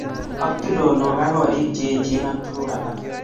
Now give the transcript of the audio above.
Ak tulonok ak gorik che eechen ak tuguk alak